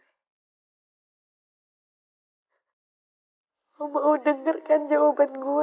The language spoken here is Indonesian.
aku mau dengerkan jawaban gue